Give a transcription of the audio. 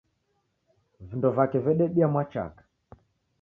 Vindo vake vedebia mwachaka